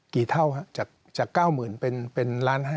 กี่เท่าครับจาก๙๐๐เป็น๑๕๐๐